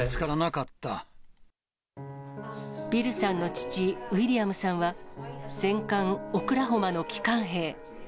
ビルさんの父、ウィリアムさんは、戦艦オクラホマの機関兵。